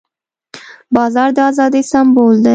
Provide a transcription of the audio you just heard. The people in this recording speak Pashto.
باز د آزادۍ سمبول دی